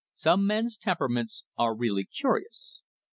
Some men's temperaments are really curious.